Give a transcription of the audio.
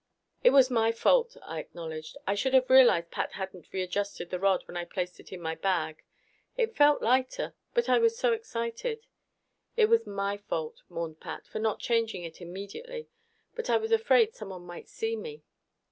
"It was all my fault," I acknowledged. "I should have realized Pat hadn't readjusted the rod when I placed it in my bag. It felt lighter. But I was so excited " "It was my fault," mourned Pat, "for not changing it immediately. But I was afraid someone might see me."